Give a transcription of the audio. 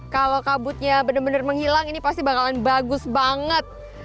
kalau kabutnya benar benar menghilang ini pasti bakalan bagus banget